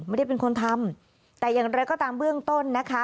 ไม่ได้เป็นคนทำแต่อย่างไรก็ตามเบื้องต้นนะคะ